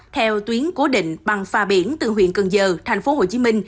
theo tuyến cố định bằng pha biển từ huyện cần giờ tp hcm